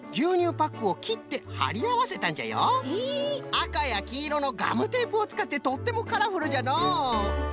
あかやきいろのガムテープをつかってとってもカラフルじゃのう。